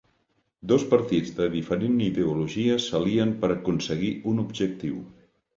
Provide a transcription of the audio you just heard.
Dos partits de diferent ideologia s'alien per aconseguir un objectiu